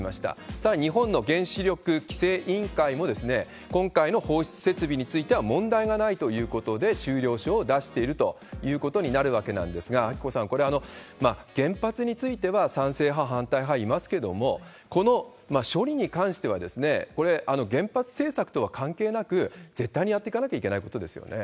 さらに、日本の原子力規制委員会も、今回の放出設備については問題がないということで、終了証を出しているということになるわけなんですが、明子さん、これは、原発については賛成派、反対派、いますけれども、この処理に関しては、これ、原発政策とは関係なく、絶対にやってかなきゃいけないことですよね？